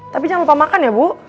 tapi jangan lupa makan ya bu